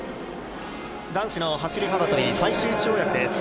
男子の走り幅跳び最終跳躍です。